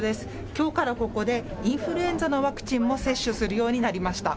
きょうからここでインフルエンザのワクチンも接種するようになりました。